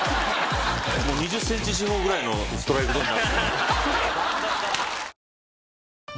２０ｃｍ四方ぐらいのストライクゾーンに。